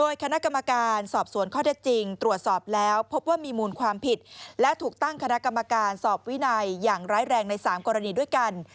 อย่างร้ายแรงใน๓กรณีด้วยกัน